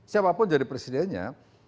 siapapun jadi presidennya